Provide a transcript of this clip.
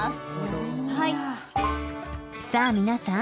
［さあ皆さん